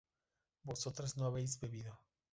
vosotras no habéis bebido